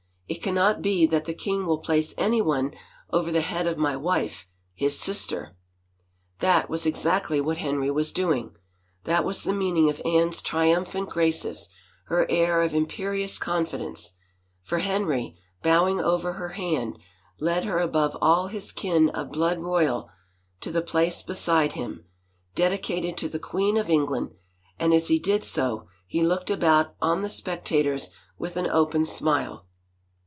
" It cannot be that the king will place anyone over the head of my wife, his sister !" That was exactly what Henry was doing. That was the meaning of Anne's triumphant graces, her air of im perious confidence. For Henry, bowing over her hand, led her above all his kin of blood royal, to the place be side him, dedicated to the queen of England, and as he did so he looked about on the spectators with an open smile.